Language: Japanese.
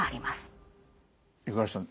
五十嵐さん